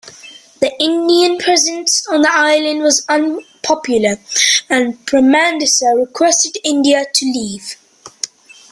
The Indian presence on the island was unpopular, and Premadasa requested India to leave.